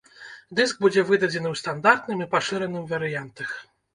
Дыск будзе выдадзены ў стандартным і пашыраным варыянтах.